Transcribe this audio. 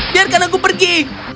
biarkan aku pergi